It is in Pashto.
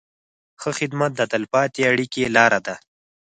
ښه خدمت د تل پاتې اړیکې لاره ده.